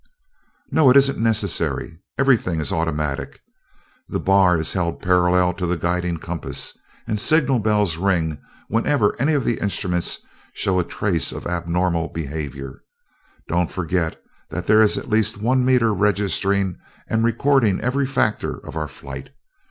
"No, it isn't necessary. Everything is automatic. The bar is held parallel to the guiding compass, and signal bells ring whenever any of the instruments show a trace of abnormal behavior. Don't forget that there is at least one meter registering and recording every factor of our flight.